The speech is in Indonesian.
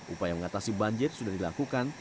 upaya mengatasi banjir sudah dilakukan